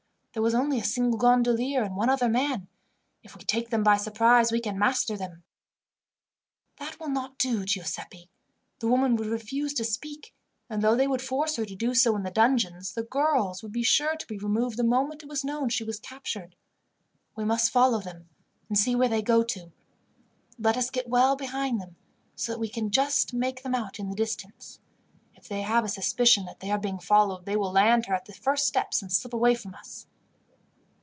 "There was only a single gondolier and one other man. If we take them by surprise we can master them." "That will not do, Giuseppi. The woman would refuse to speak, and though they could force her to do so in the dungeons, the girls would be sure to be removed the moment it was known she was captured. We must follow them, and see where they go to. Let us get well behind them, so that we can just make them out in the distance. If they have a suspicion that they are being followed, they will land her at the first steps and slip away from us."